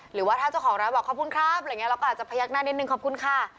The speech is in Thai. หรือว่าถ้าเจ้าของร้านบอกขอบคุณครับอะไรอย่างนี้เราก็อาจจะพยักหน้านิดนึงขอบคุณค่ะ